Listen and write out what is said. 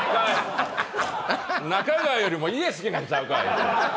中川よりも家好きなんちゃうかい！